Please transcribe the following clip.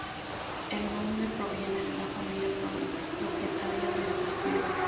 El nombre proviene de la familia propietaria de estas tierras.